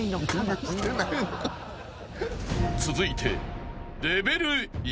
［続いて］